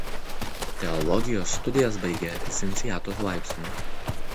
Teologijos studijas baigė licenciato laipsniu.